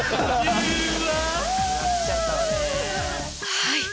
はい。